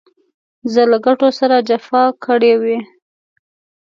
زه له ګټو سره جفا کړې وي.